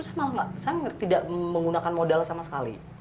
saya tidak menggunakan modal sama sekali